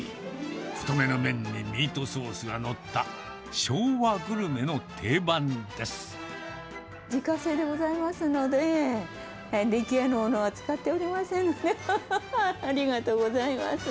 太めの麺にミートソースが載った、自家製でございますので、出来合いのものは使っておりませんので、ありがとうございます。